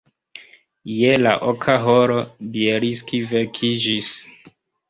Je la oka horo Bjelski vekiĝis.